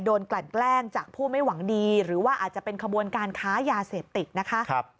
กลั่นแกล้งจากผู้ไม่หวังดีหรือว่าอาจจะเป็นขบวนการค้ายาเสพติดนะคะ